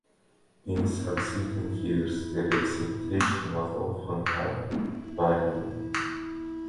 In succeeding years the exhibition was often held biennially.